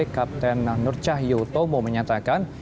kapten nurcah yotomo menyatakan